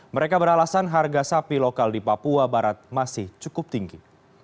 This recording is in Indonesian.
mereka beralasan harga sapi lokal di papua barat masih cukup tinggi